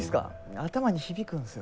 頭に響くんすよ。